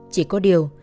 chỉ có điều